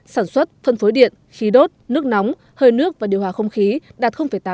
sản xuất phân phối điện khí đốt nước nóng hơi nước và điều hòa không khí đạt tám